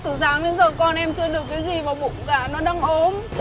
từ sáng đến giờ con em chưa được cái gì vào bụng cả nó đang ốm